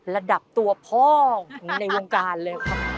ระดับตัวพ่อของในวงการเลยครับ